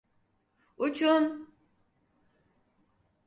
Uçun!